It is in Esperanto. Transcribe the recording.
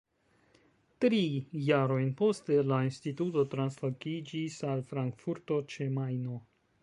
Tri jarojn poste la instituto translokiĝis al Frankfurto ĉe Majno.